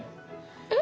え？